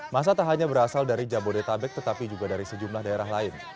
masa tak hanya berasal dari jabodetabek tetapi juga dari sejumlah daerah lain